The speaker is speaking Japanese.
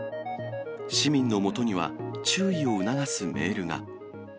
市民のもとには、注意を促すメールが。